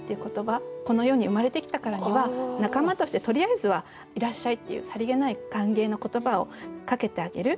この世に生まれてきたからには仲間としてとりあえずは「いらっしゃい」っていうさりげない歓迎の言葉をかけてあげる。